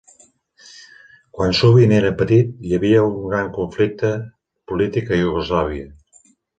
Quan Suvin era petit, hi havia un gran conflicte polític a Iugoslàvia.